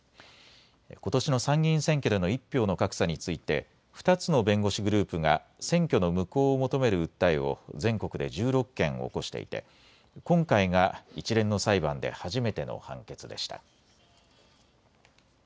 ことしの参議院選挙での１票の格差について２つの弁護士グループが選挙の無効を求める訴えを全国で１６件、起こしていて今回が一連の裁判で初めての判決でした。